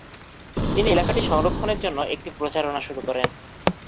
তিনি এলাকাটি সংরক্ষণের জন্য একটি প্রচারণা শুরু করেন।